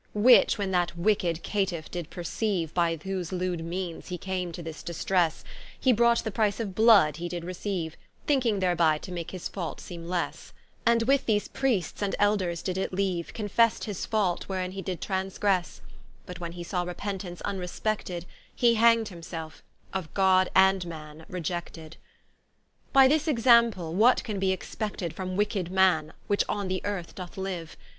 Which, when that wicked Caytife did perceiue, By whose lewd meanes he came to this distresse; He brought the price of blood he did receiue, Thinking thereby to make his fault seeme lesse, And with these Priests and Elders did it leaue, Confest his fault, wherein he did transgresse: But when he saw Repentance vnrespected, He hang'd himselfe; of God and Man reiected. By this Example, what can be expected From wicked Man, which on the Earth doth liue?